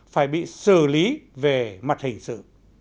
phải bị xử lý về mặt hình sự